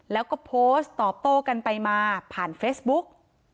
แล้วก็โพสต์ตอบโต้กันไปมาผ่านเฟซบุ๊ก